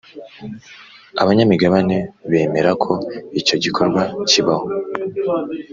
Abanyamigabane bemera ko icyo gikorwa kibaho